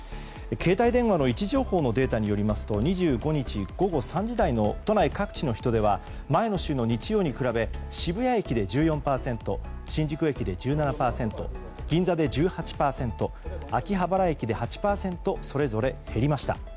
携帯電話の位置情報のデータによりますと２５日午後３時台の都内各地の人出は前の週の日曜日に比べ渋谷駅で１４％新宿駅で１７％銀座で１８％秋葉原駅で８％それぞれ減りました。